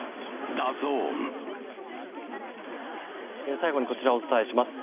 最後にこちらをお伝えします。